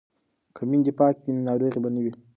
که میندې پاکې وي نو ناروغي به نه وي.